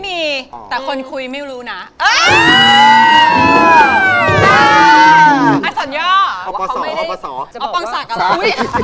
สถานบุกว่าแต่จะบอกว่าวันนี้อีก๑เพลงก็ไม่ครีม